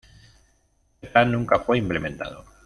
Este plan nunca fue implementado.